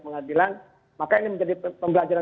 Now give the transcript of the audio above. pengadilan maka ini menjadi pembelajaran